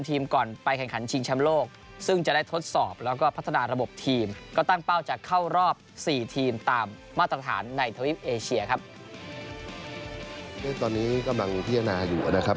ซึ่งตอนนี้กำลังพิจารณาอยู่นะครับ